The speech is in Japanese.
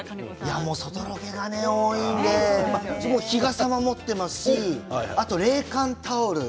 外ロケが多いので日傘は持っていますしあとは冷感タオル